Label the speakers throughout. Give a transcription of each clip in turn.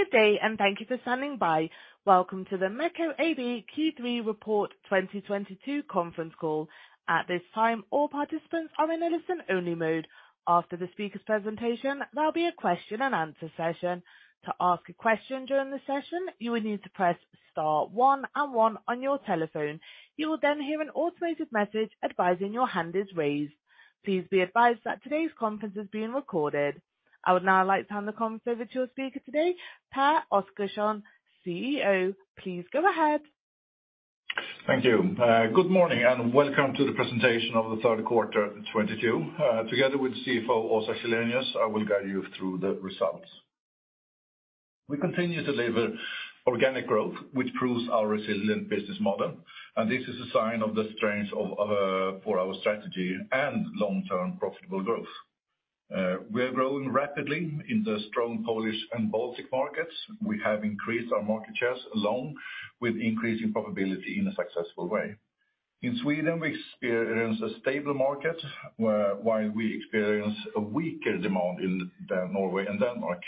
Speaker 1: Good day, and thank you for standing by. Welcome to the MEKO AB Q3 Report 2022 Conference Call. At this time, all participants are in a listen-only mode. After the speaker's presentation, there'll be a question-and-answer session. To ask a question during the session, you will need to press star one and one on your telephone. You will then hear an automated message advising your hand is raised. Please be advised that today's conference is being recorded. I would now like to hand the conference over to our speaker today, Pehr Oscarson, CEO. Please go ahead.
Speaker 2: Thank you. Good morning, and welcome to the presentation of the third quarter 2022. Together with the CFO, Åsa Källenius, I will guide you through the results. We continue to deliver organic growth, which proves our resilient business model, and this is a sign of the strength of our strategy and long-term profitable growth. We are growing rapidly in the strong Polish and Baltic markets. We have increased our market shares along with increasing profitability in a successful way. In Sweden, we experience a stable market, while we experience a weaker demand in Norway and Denmark,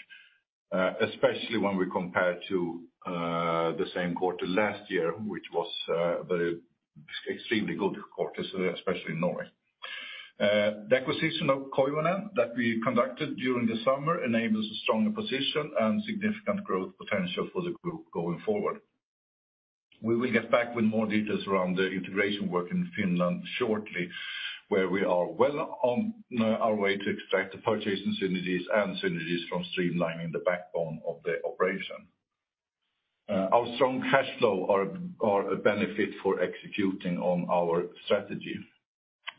Speaker 2: especially when we compare to the same quarter last year, which was very extremely good quarter, so especially Norway. The acquisition of Koivunen that we conducted during the summer enables a stronger position and significant growth potential for the group going forward. We will get back with more details around the integration work in Finland shortly, where we are well on our way to extract the purchase synergies and synergies from streamlining the backbone of the operation. Our strong cash flow are a benefit for executing on our strategy.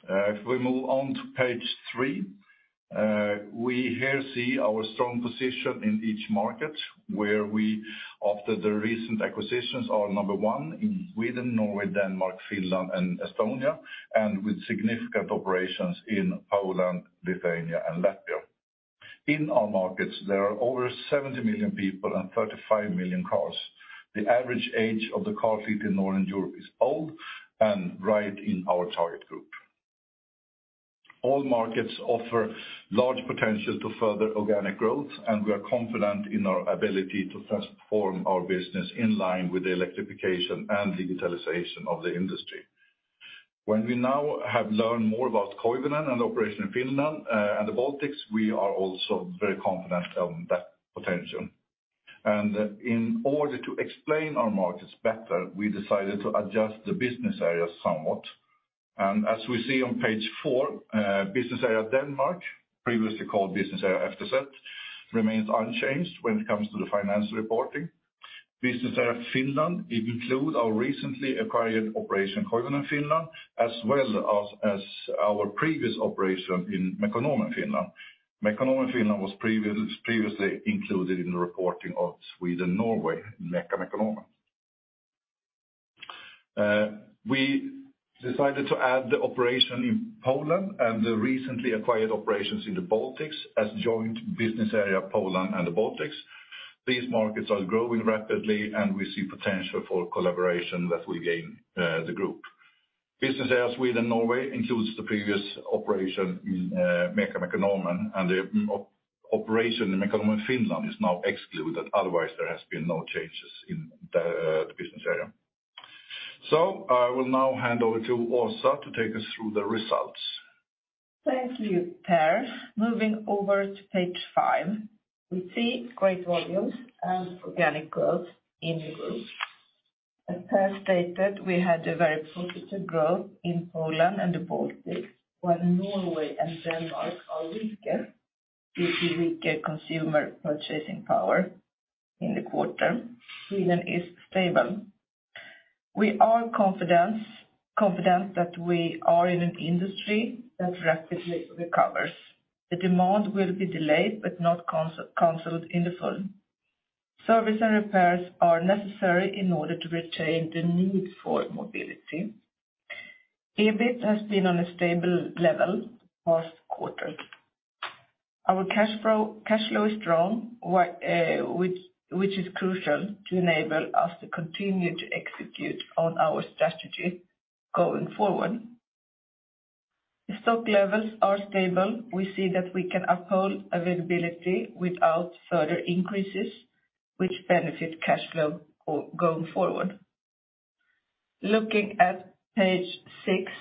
Speaker 2: If we move on to page three, we here see our strong position in each market, where we, after the recent acquisitions, are number one in Sweden, Norway, Denmark, Finland, and Estonia, and with significant operations in Poland, Lithuania, and Latvia. In our markets, there are over 70 million people and 35 million cars. The average age of the car fleet in Northern Europe is old and right in our target group. All markets offer large potential to further organic growth, and we are confident in our ability to transform our business in line with the electrification and digitalization of the industry. When we now have learned more about Koivunen and operation in Finland, and the Baltics, we are also very confident on that potential. In order to explain our markets better, we decided to adjust the business areas somewhat. As we see on page four, business area Denmark, previously called business area [FTZ], remains unchanged when it comes to the financial reporting. Business area Finland includes our recently acquired operation Koivunen Finland, as well as our previous operation in Mekonomen Finland. Mekonomen Finland was previously included in the reporting of Sweden, Norway, Mekonomen. We decided to add the operation in Poland and the recently acquired operations in the Baltics as joint business area Poland and the Baltics. These markets are growing rapidly, and we see potential for collaboration that will gain the group. Business area Sweden, Norway includes the previous operation in Mekonomen, and the operation in Mekonomen Finland is now excluded. Otherwise, there has been no changes in the business area. I will now hand over to Åsa to take us through the results.
Speaker 3: Thank you, Pehr. Moving over to page five, we see great volumes and organic growth in the group. As Pehr stated, we had a very positive growth in Poland and the Baltics, while Norway and Denmark are weaker due to weaker consumer purchasing power in the quarter. Sweden is stable. We are confident that we are in an industry that rapidly recovers. The demand will be delayed but not canceled in full. Service and repairs are necessary in order to retain the need for mobility. EBIT has been on a stable level past quarter. Our cash flow is strong, which is crucial to enable us to continue to execute on our strategy going forward. The stock levels are stable. We see that we can uphold availability without further increases, which benefit cash flow going forward. Looking at page six,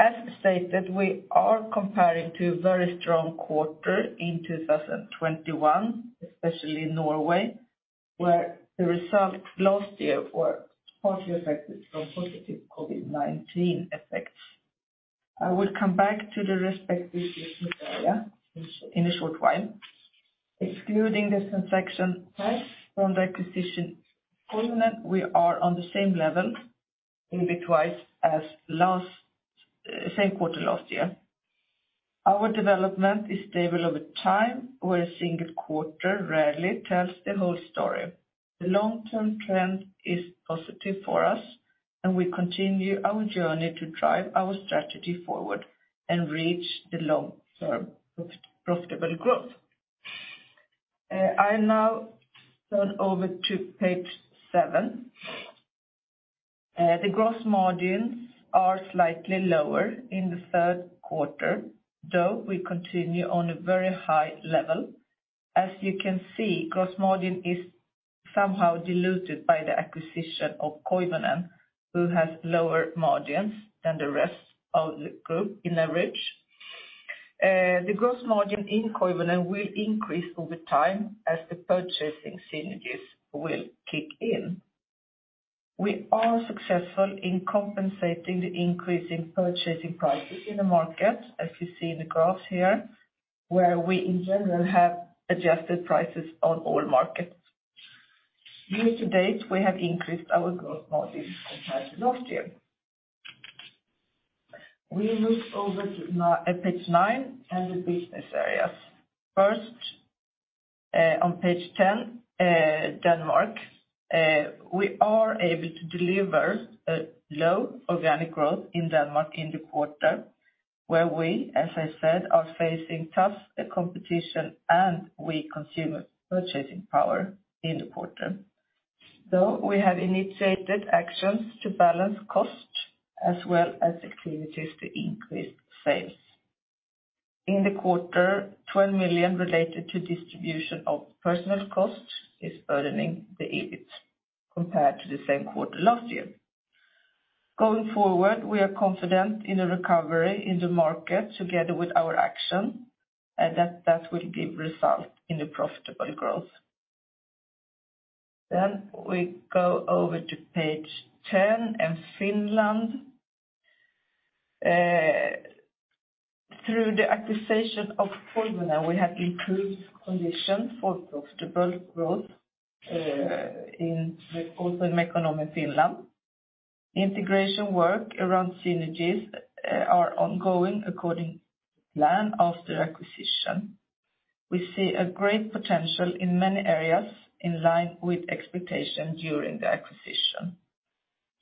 Speaker 3: as stated, we are comparing to a very strong quarter in 2021, especially in Norway, where the results last year were partially affected from positive COVID-19 effects. I will come back to the respective business area in a short while. Excluding the transaction from the acquisition Koivunen, we are on the same level individually as last, same quarter last year. Our development is stable over time, where a single quarter rarely tells the whole story. The long-term trend is positive for us, and we continue our journey to drive our strategy forward and reach the long-term profitable growth. I now turn over to page seven. The gross margins are slightly lower in the third quarter, though we continue on a very high level. As you can see, gross margin is somehow diluted by the acquisition of Koivunen, who has lower margins than the rest of the group on average. The gross margin in Koivunen will increase over time as the purchasing synergies will kick in. We are successful in compensating the increase in purchasing prices in the market, as you see in the graph here, where we in general have adjusted prices on all markets. Year to date, we have increased our gross margin compared to last year. We move over to page nine and the business areas. First, on page ten, Denmark. We are able to deliver a low organic growth in Denmark in the quarter, where we, as I said, are facing tough competition and weak consumer purchasing power in the quarter. Though we have initiated actions to balance costs as well as activities to increase sales. In the quarter, 12 million related to distribution of personnel costs is burdening the EBIT compared to the same quarter last year. Going forward, we are confident in a recovery in the market together with our action, and that will give result in the profitable growth. We go over to page 10 and Finland. Through the acquisition of Koivunen, we have improved conditions for profitable growth in also in Mekonomen Finland. Integration work around synergies are ongoing according to plan of the acquisition. We see a great potential in many areas in line with expectation during the acquisition.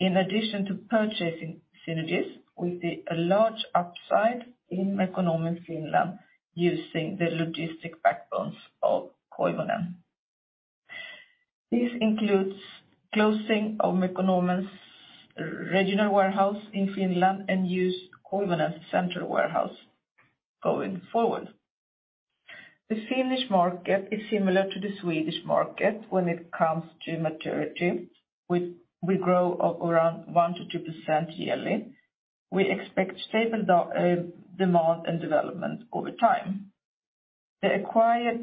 Speaker 3: In addition to purchasing synergies, we see a large upside in Mekonomen Finland using the logistic backbones of Koivunen. This includes closing of Mekonomen's regional warehouse in Finland and use Koivunen's central warehouse going forward. The Finnish market is similar to the Swedish market when it comes to maturity, which we grow around 1%-2% yearly. We expect stable demand and development over time. The acquired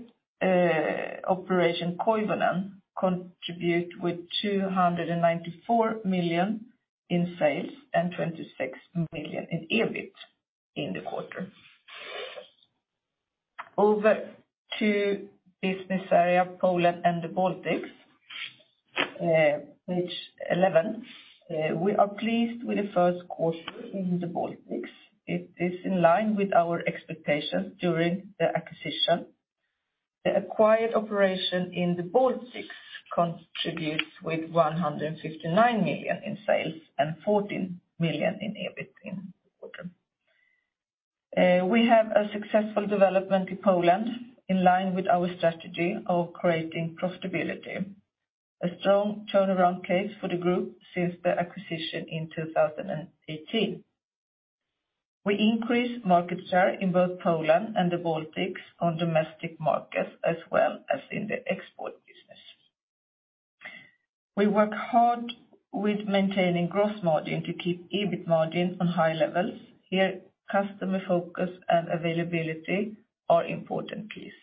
Speaker 3: operation Koivunen contribute with 294 million in sales and 26 million in EBIT in the quarter. Over to business area Poland and the Baltics, page eleven. We are pleased with the first quarter in the Baltics. It is in line with our expectations during the acquisition. The acquired operation in the Baltics contributes with 159 million in sales and 14 million in EBIT in the quarter. We have a successful development in Poland in line with our strategy of creating profitability. A strong turnaround case for the group since the acquisition in 2018. We increase market share in both Poland and the Baltics on domestic markets as well as in the export business. We work hard with maintaining gross margin to keep EBIT margin on high levels. Here, customer focus and availability are important keys.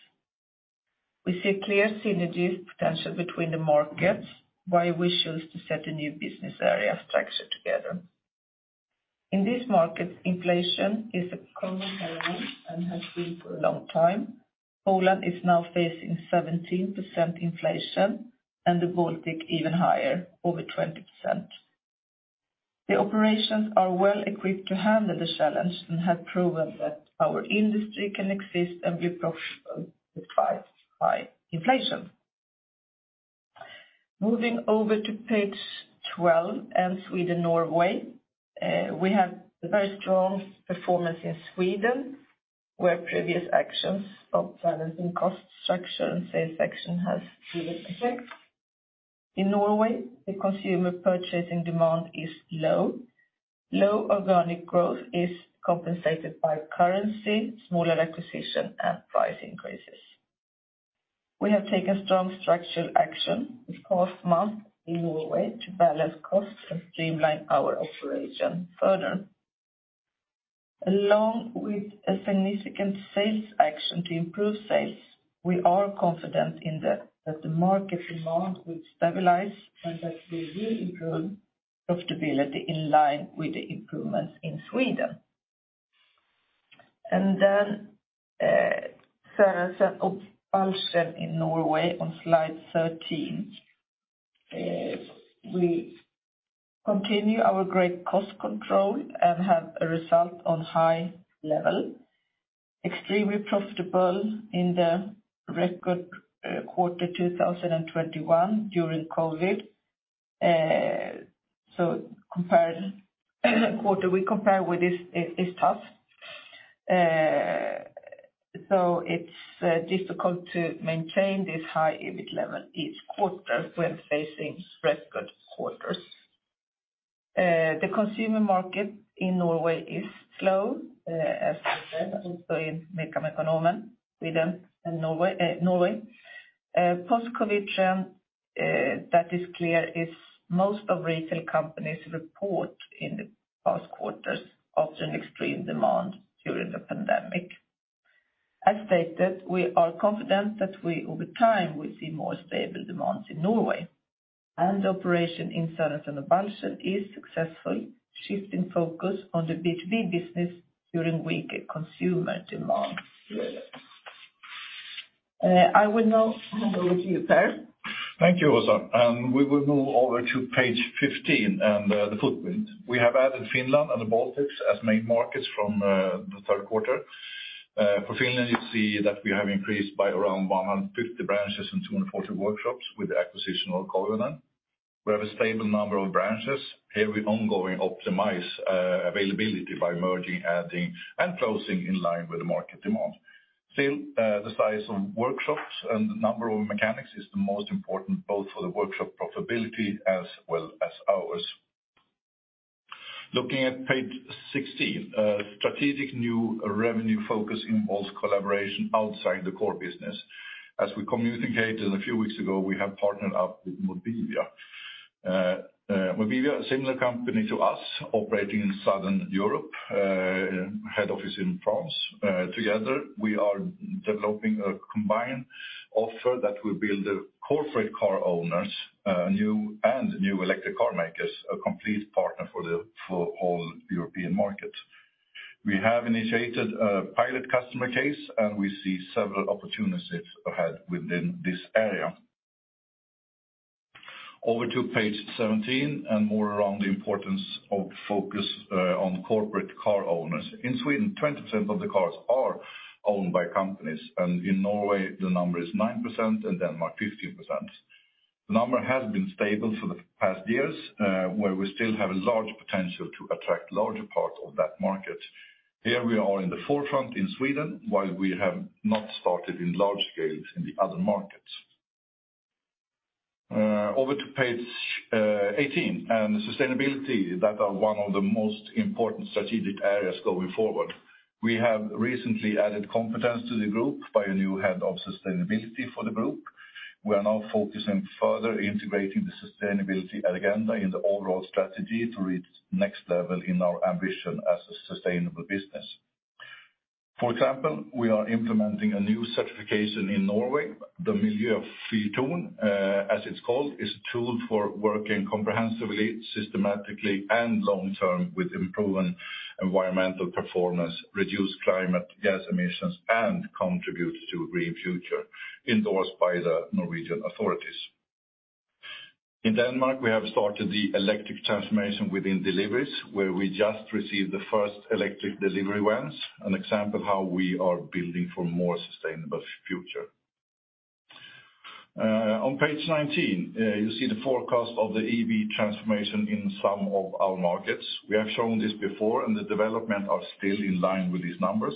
Speaker 3: We see clear synergies potential between the markets, why we choose to set a new business area structure together. In this market, inflation is a common challenge and has been for a long time. Poland is now facing 17% inflation and the Baltics even higher, over 20%. The operations are well equipped to handle the challenge and have proven that our industry can exist and be profitable despite high inflation. Moving over to page 12 and Sweden, Norway. We have a very strong performance in Sweden, where previous actions of balancing cost structure and sales action has given effect. In Norway, the consumer purchasing demand is low. Low organic growth is compensated by currency, smaller acquisition, and price increases. We have taken strong structural action this past month in Norway to balance costs and streamline our operation further. Along with a significant sales action to improve sales, we are confident that the market demand will stabilize and that we will improve profitability in line with the improvements in Sweden. Sørensen og Balchen in Norway on slide 13. We continue our great cost control and have a result on high level. Extremely profitable in the record Q2 2021 during COVID. Comparison quarter we compare with is tough. It's difficult to maintain this high EBIT level each quarter when facing record quarters. The consumer market in Norway is slow, as I said, also in Mekonomen, Sweden, and Norway. Post-COVID trend that is clear is most of retail companies report in the past quarters after an extreme demand during the pandemic. As stated, we are confident that we over time will see more stable demands in Norway and operation in Sørensen og Balchen is successful, shifting focus on the B2B business during weaker consumer demand. I will now hand over to you, Pehr.
Speaker 2: Thank you, Åsa. We will move over to page 15 and the footprint. We have added Finland and the Baltics as main markets from the third quarter. For Finland, you see that we have increased by around 150 branches and 240 workshops with the acquisition of Koivunen. We have a stable number of branches. Here we ongoing optimize availability by merging, adding, and closing in line with the market demand. Still, the size of workshops and the number of mechanics is the most important both for the workshop profitability as well as ours. Looking at page 16, strategic new revenue focus involves collaboration outside the core business. As we communicated a few weeks ago, we have partnered up with Mobivia. Mobivia, a similar company to us operating in Southern Europe, head office in France. Together, we are developing a combined offer that will build the corporate car owners, new electric car makers a complete partner for all European markets. We have initiated a pilot customer case, and we see several opportunities ahead within this area. Over to page 17 and more around the importance of focus on corporate car owners. In Sweden, 20% of the cars are owned by companies, and in Norway the number is 9%, in Denmark 15%. The number has been stable for the past years, where we still have a large potential to attract larger parts of that market. Here we are in the forefront in Sweden while we have not started in large scales in the other markets. Over to page 18 and sustainability that are one of the most important strategic areas going forward. We have recently added competence to the group by a new head of sustainability for the group. We are now focusing further integrating the sustainability agenda in the overall strategy to reach next level in our ambition as a sustainable business. For example, we are implementing a new certification in Norway. The Miljøfyrtårn, as it's called, is a tool for working comprehensively, systematically, and long-term with improving environmental performance, reduced climate gas emissions, and contributes to a green future endorsed by the Norwegian authorities. In Denmark, we have started the electric transformation within deliveries, where we just received the first electric delivery vans, an example how we are building for more sustainable future. On page 19, you see the forecast of the EV transformation in some of our markets. We have shown this before and the development are still in line with these numbers.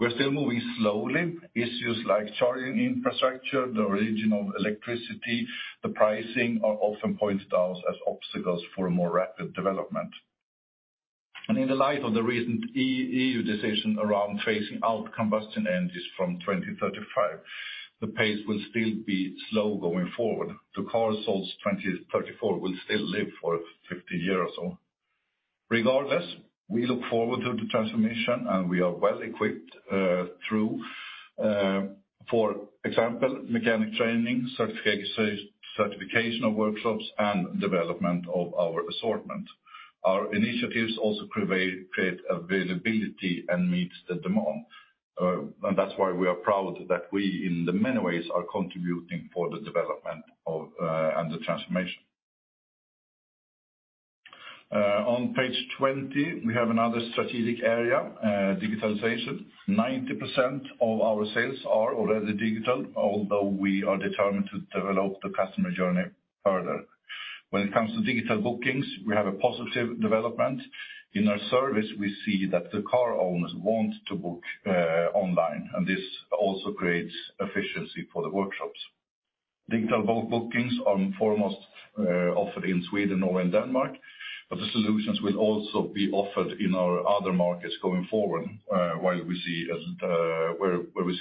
Speaker 2: We're still moving slowly. Issues like charging infrastructure, the range of electricity, the pricing are often pointed out as obstacles for a more rapid development. In the light of the recent EU decision around phasing out combustion engines from 2035, the pace will still be slow going forward. The car sales 2034 will still live for 50 years. Regardless, we look forward to the transformation, and we are well equipped through, for example, mechanic training, certification of workshops, and development of our assortment. Our initiatives also provide and create availability and meet the demand. That's why we are proud that we in many ways are contributing to the development of and the transformation. On page 20, we have another strategic area, digitalization. 90% of our sales are already digital, although we are determined to develop the customer journey further. When it comes to digital bookings, we have a positive development. In our service, we see that the car owners want to book online, and this also creates efficiency for the workshops. Digital bookings are foremost offered in Sweden or in Denmark, but the solutions will also be offered in our other markets going forward, while we see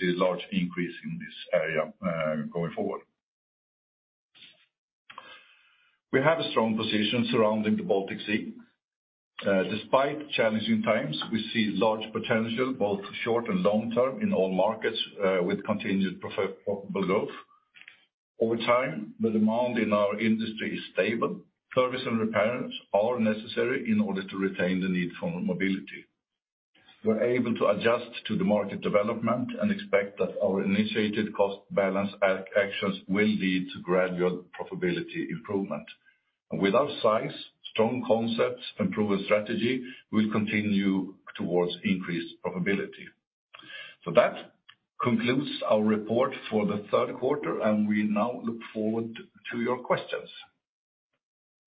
Speaker 2: a large increase in this area, going forward. We have a strong position surrounding the Baltic Sea. Despite challenging times, we see large potential both short and long term in all markets, with continued profitable growth. Over time, the demand in our industry is stable. Service and repairs are necessary in order to retain the need for mobility. We're able to adjust to the market development and expect that our initiated cost balancing actions will lead to gradual profitability improvement. With our size, strong concepts, and proven strategy, we'll continue towards increased profitability. That concludes our report for the third quarter, and we now look forward to your questions.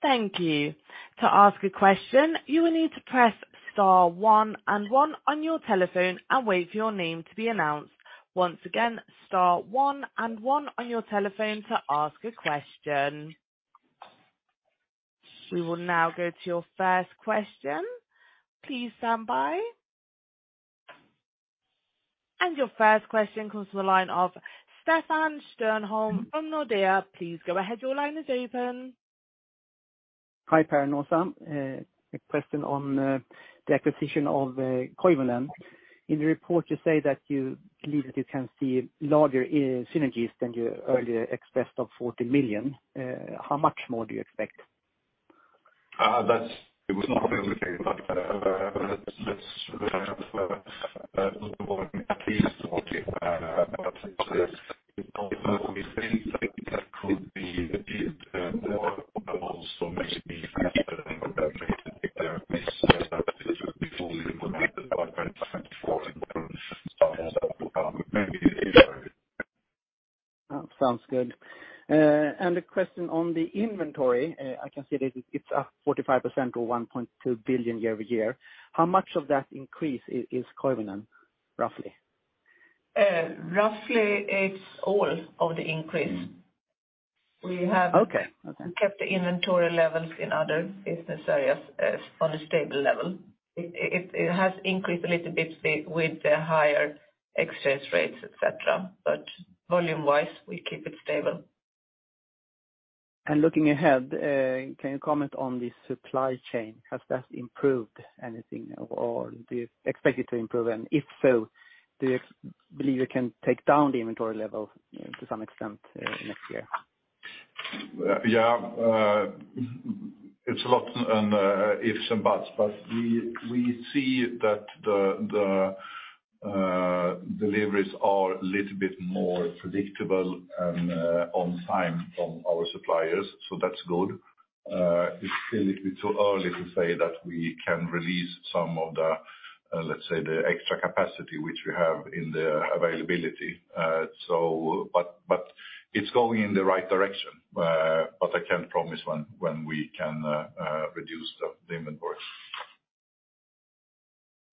Speaker 1: Thank you. To ask a question, you will need to press star one and one on your telephone and wait for your name to be announced. Once again, star one and one on your telephone to ask a question. We will now go to your first question. Please stand by. Your first question comes from the line of Stefan Stjernholm from Nordea. Please go ahead. Your line is open.
Speaker 4: Hi, Pehr Oscarson and Åsa Källenius. A question on the acquisition of Koivunen. In the report you say that you believe that you can see larger synergies than youearlier expressed of 40 million. How much more do you expect?
Speaker 2: That's it. It was not everything, but let's at least SEK 40 million. It sounds like we think that could be a bit more and also maybe.
Speaker 4: Sounds good. A question on the inventory. I can see that it's up 45% to 1.2 billion year-over-year. How much of that increase is Koivunen, roughly?
Speaker 3: Roughly it's all of the increase.
Speaker 4: Okay. Okay.
Speaker 3: Kept the inventory levels in other business areas on a stable level. It has increased a little bit with the higher excess rates, et cetera, but volume-wise, we keep it stable.
Speaker 4: Looking ahead, can you comment on the supply chain? Has that improved anything or do you expect it to improve? If so, do you believe you can take down the inventory level, to some extent, next year?
Speaker 2: Yeah. It's a lot on ifs and buts, but we see that the deliveries are a little bit more predictable and on time from our suppliers, so that's good. It's a little bit too early to say that we can release some of the, let's say, the extra capacity which we have in the availability. It's going in the right direction, but I can't promise when we can reduce the inventory.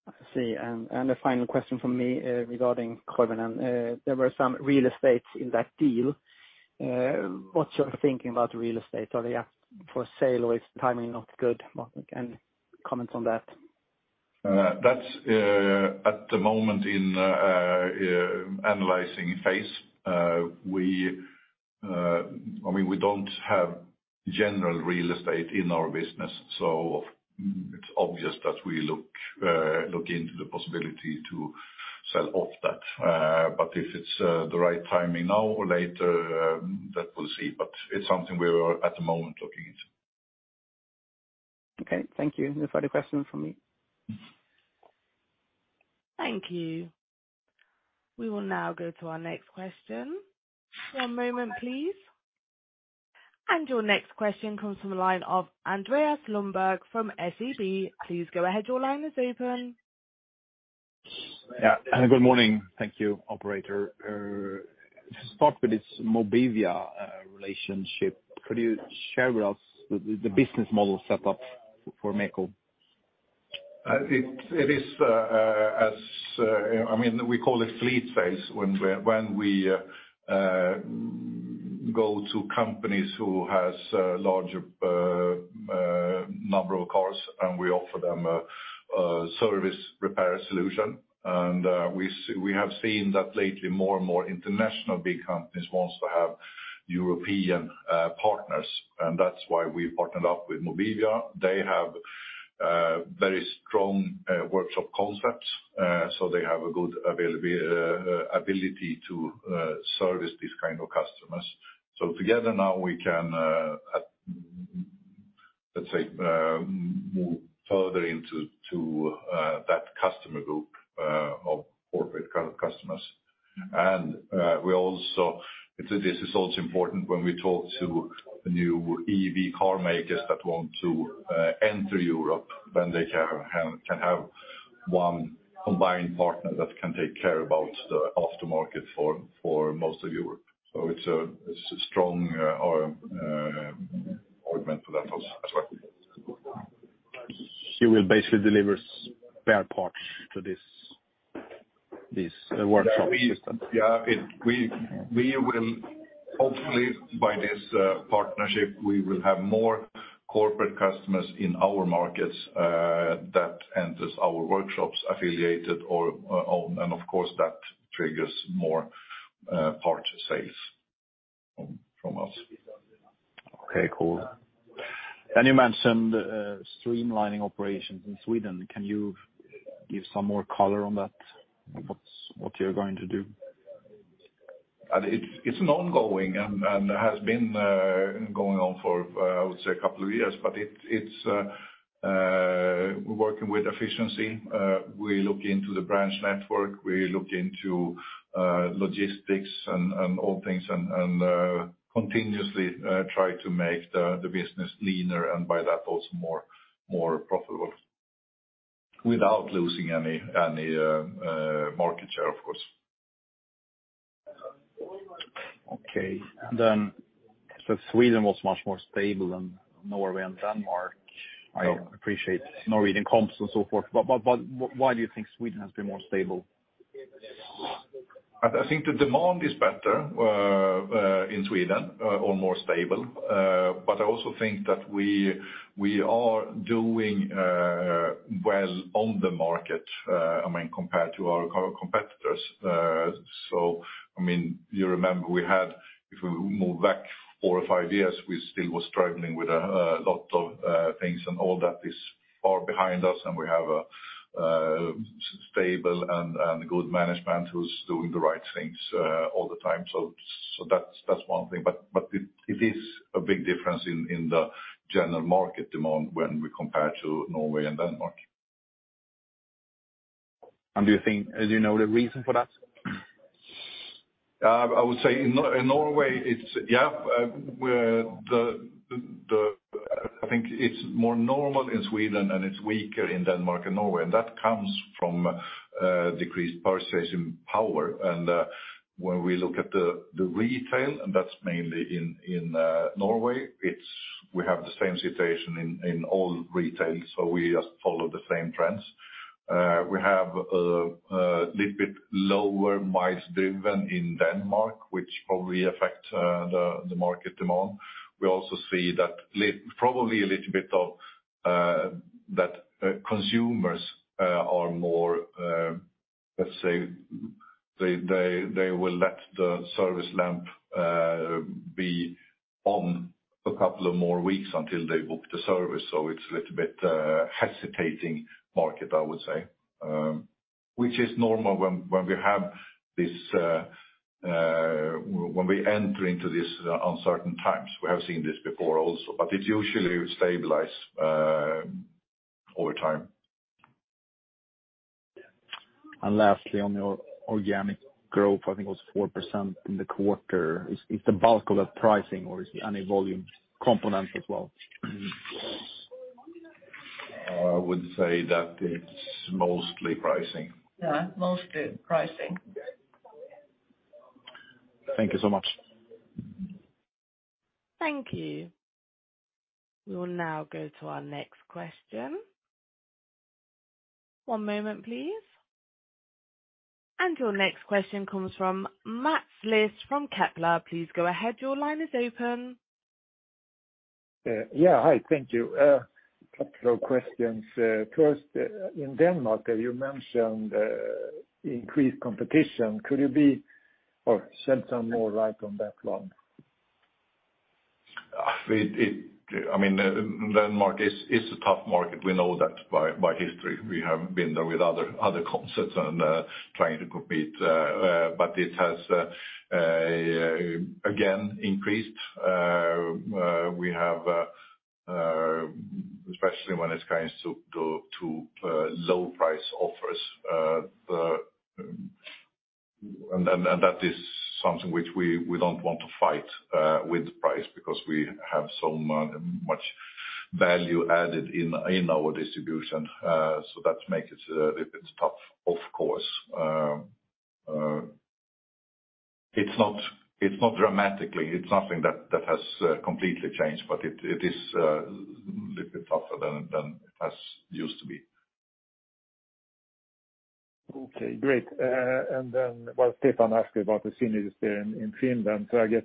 Speaker 4: I see. A final question from me regarding Koivunen. There were some real estate in that deal. What's your thinking about real estate? Are they up for sale or is timing not good? Any comments on that?
Speaker 2: That's at the moment in analysis phase. I mean, we don't have general real estate in our business, so it's obvious that we look into the possibility to sell off that. If it's the right timing now or later, that we'll see. It's something we are at the moment looking into.
Speaker 4: Okay. Thank you. No further questions from me.
Speaker 1: Thank you. We will now go to our next question. One moment, please. Your next question comes from the line of Andreas Lundberg from SEB. Please go ahead, your line is open.
Speaker 5: Yeah. Good morning. Thank you, operator. To start with this Mobivia relationship, could you share with us the business model set up for MEKO?
Speaker 2: I mean, we call it fleet business, when we go to companies who has a larger number of cars and we offer them a service repair solution. We have seen that lately, more and more international big companies wants to have European partners, and that's why we partnered up with Mobivia. They have very strong workshop concepts, so they have a good ability to service these kind of customers. Together now we can, let's say, move further into that customer group of corporate customers. We also... This is also important when we talk to the new EV car makers that want to enter Europe when they can have one combined partner that can take care about the aftermarket for most of Europe. It's a strong argument for that as well.
Speaker 5: You will basically deliver spare parts to this workshop system?
Speaker 2: Yeah. We will hopefully by this partnership, we will have more corporate customers in our markets that enters our workshops affiliated or own. Of course, that triggers more parts sales from us.
Speaker 5: Okay, cool. You mentioned streamlining operations in Sweden. Can you give some more color on that? What you're going to do?
Speaker 2: It's an ongoing and has been going on for, I would say, a couple of years. We're working with efficiency. We look into the branch network, we look into logistics and all things and continuously try to make the business leaner and by that also more profitable without losing any market share, of course.
Speaker 5: Okay. Sweden was much more stable than Norway and Denmark. I appreciate Norwegian comps and so forth, but why do you think Sweden has been more stable?
Speaker 2: I think the demand is better in Sweden or more stable. I also think that we are doing well on the market, I mean, compared to our competitors. I mean, you remember we had. If we move back four or five years, we still were struggling with a lot of things and all that is far behind us, and we have a stable and good management who's doing the right things all the time. That's one thing. It is a big difference in the general market demand when we compare to Norway and Denmark.
Speaker 5: Do you think? Do you know the reason for that?
Speaker 2: I would say in Norway, I think it's more normal in Sweden and it's weaker in Denmark and Norway, and that comes from decreased purchasing power. When we look at the retail, and that's mainly in Norway, we have the same situation in all retail, so we just follow the same trends. We have a little bit lower miles driven in Denmark, which probably affect the market demand. We also see that probably a little bit of that consumers are more, let's say, they will let the service lamp be on a couple of more weeks until they book the service. It's a little bit hesitant market, I would say, which is normal when we enter into this uncertain times. We have seen this before also, but it usually will stabilize over time.
Speaker 5: Lastly, on your organic growth, I think it was 4% in the quarter. Is the bulk of that pricing or is any volume component as well?
Speaker 2: I would say that it's mostly pricing.
Speaker 5: Yeah, mostly pricing. Thank you so much.
Speaker 1: Thank you. We will now go to our next question. One moment, please. Your next question comes from Mats Liss from Kepler. Please go ahead. Your line is open.
Speaker 6: Yeah, hi. Thank you. A couple of questions. First, in Denmark, you mentioned increased competition. Could you shed some more light on that one?
Speaker 2: I mean, Denmark is a tough market. We know that by history. We have been there with other concepts and trying to compete, but it has again increased. We have especially when it comes to low price offers. That is something which we don't want to fight with price because we have so much value added in our distribution. That makes it a little bit tough, of course. It's not dramatic. It's nothing that has completely changed, but it is little bit tougher than it has used to be.
Speaker 6: Okay, great. Well, Stefan asked about the synergies there in Finland, so I guess.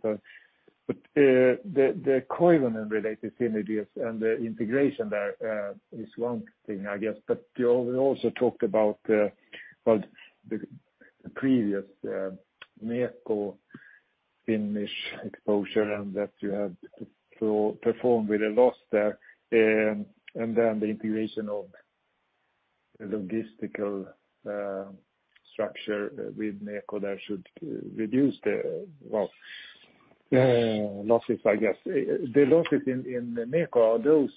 Speaker 6: The Koivunen related synergies and the integration there is one thing, I guess. You also talked about the previous Mekonomen Finnish exposure and that you have to perform with a loss there. The integration of logistical structure with Mekonomen there should reduce the losses, I guess. The losses in Mekonomen, are those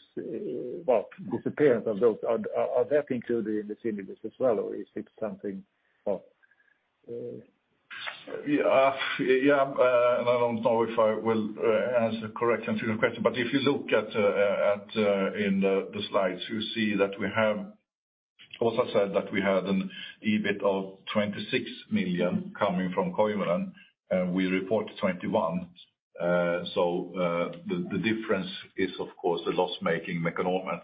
Speaker 6: disappearance of those are that included in the synergies as well or is it something?
Speaker 2: Yeah, I don't know if I will answer your question correctly, but if you look at in the slides, you see that we have also said that we had an EBIT of 26 million coming from Koivunen, and we report 21 million. The difference is of course the loss-making Mekonomen.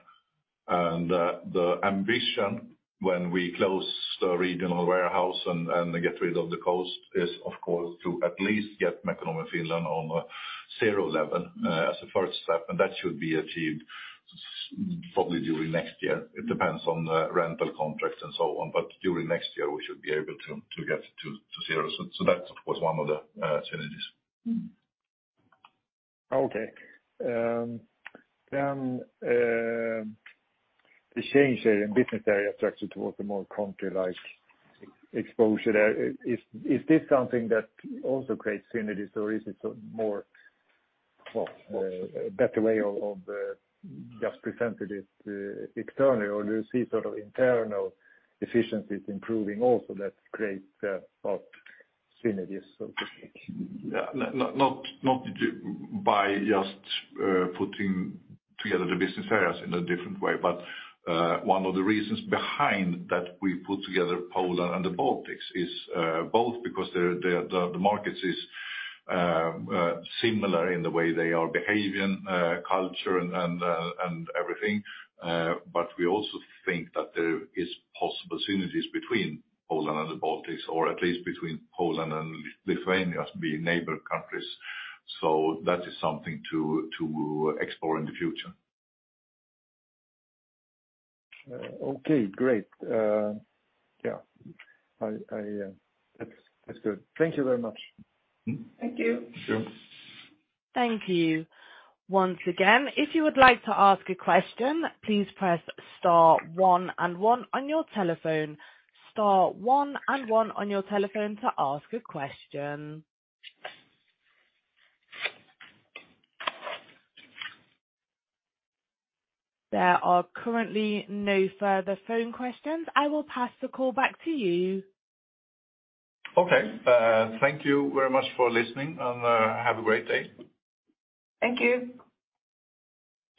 Speaker 2: The ambition when we close the regional warehouse and get rid of the cost is of course to at least get Mekonomen Finland on zero level as a first step, and that should be achieved probably during next year. It depends on the rental contracts and so on, but during next year we should be able to get to zero. That was one of the synergies.
Speaker 6: The change in business area structure towards a more country-like exposure there. Is this something that also creates synergies or is it a more, well, better way of just presenting it externally or do you see sort of internal efficiencies improving also that create synergies, so to speak?
Speaker 2: Yeah. Not by just putting together the business areas in a different way. One of the reasons behind that we put together Poland and the Baltics is both because the markets is similar in the way they are behaving, culture and everything. We also think that there is possible synergies between Poland and the Baltics or at least between Poland and Lithuania as being neighbor countries. That is something to explore in the future.
Speaker 6: Okay. Great. Yeah. That's good. Thank you very much.
Speaker 3: Thank you.
Speaker 2: Sure.
Speaker 1: Thank you once again. If you would like to ask a question, please press star one and one on your telephone. Star one and one on your telephone to ask a question. There are currently no further phone questions. I will pass the call back to you.
Speaker 2: Okay. Thank you very much for listening and have a great day.
Speaker 3: Thank you.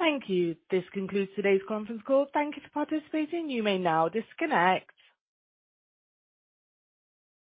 Speaker 1: Thank you. This concludes today's conference call. Thank you for participating. You may now disconnect.